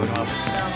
どうも。